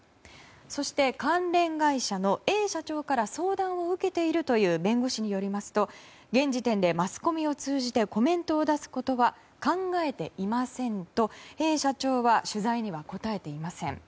そして、関連会社のＡ社長から相談を受けているという弁護士によりますと現時点でマスコミを通じてコメントを出すことは考えていませんとＡ社長は取材には答えていません。